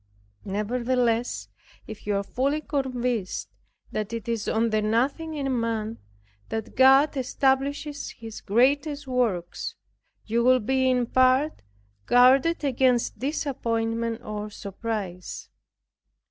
Nevertheless, if you are fully convinced that it is on the nothing in man that God establishes his greatest works, you will be in part guarded against disappointment or surprise.